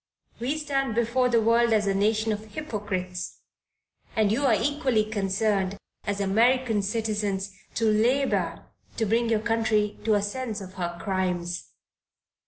We stand before the world as a nation of hypocrites, and you are equally concerned, as American citizens, to labor to bring your country to a sense of her crimes.